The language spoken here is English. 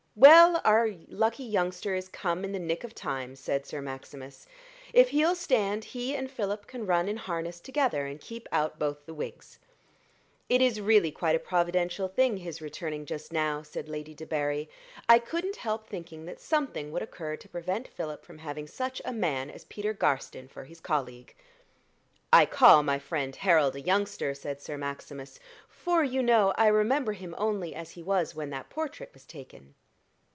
"Well, our lucky youngster is come in the nick of time," said Sir Maximus: "if he'll stand, he and Philip can run in harness together and keep out both the Whigs." "It is really quite a providential thing his returning just now," said Lady Debarry. "I couldn't help thinking that something would occur to prevent Philip from having such a man as Peter Garstin for his colleague." "I call my friend Harold a youngster," said Sir Maximus, "for, you know, I remember him only as he was when that portrait was taken."